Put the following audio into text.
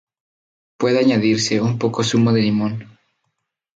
Puede añadirse un poco zumo de limón.